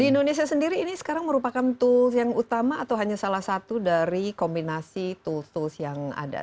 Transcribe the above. di indonesia sendiri ini sekarang merupakan tools yang utama atau hanya salah satu dari kombinasi tools tools yang ada